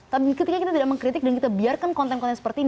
tapi ketika kita tidak mengkritik dan kita biarkan konten konten seperti ini